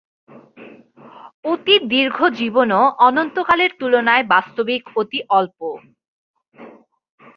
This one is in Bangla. অতি দীর্ঘ জীবনও অনন্তকালের তুলনায় বাস্তবিক অতি অল্প।